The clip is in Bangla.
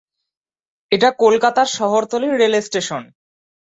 এটি কলকাতার শহরতলির রেলস্টেশন।